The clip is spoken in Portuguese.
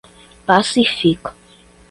Passa-e-Fica